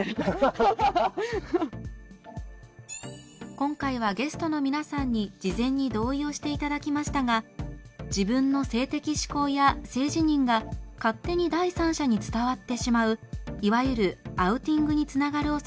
今回はゲストの皆さんに事前に同意をしていただきましたが自分の性的指向や性自認が勝手に第三者に伝わってしまういわゆるアウティングにつながるおそれがあります。